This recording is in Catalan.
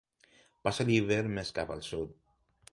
Passa l'hivern més cap al sud.